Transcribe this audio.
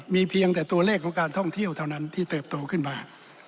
มีเพียงแต่ตัวเลขของการท่องเที่ยวเท่านั้นที่เติบโตขึ้นมา